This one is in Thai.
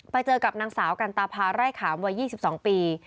ไปเจอกับนางสาวกันตาพาไร่ขามวัย๒๒ปี